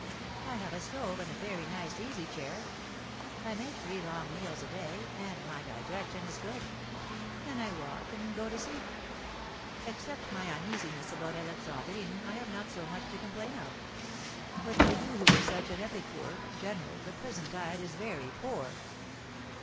I have a stove and a very nice easy chair; I make three long meals a day, and my digestion is good; then I walk and go to sleep. Except my uneasiness about Alexandrine I have not so much to complain of." "But for you who were such an epicure, general, the prison diet is very poor."